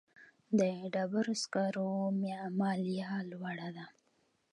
د ډبرو سکرو مالیه لوړه ده